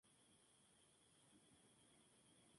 Puede haber diferentes modos de mostrar afecto a los niños.